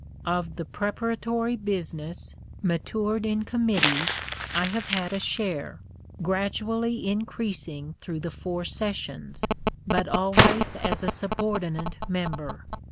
Of the preparatory business, matured in committees, I have had a share, gradually increasing through the four sessions, but always as a subordinate member.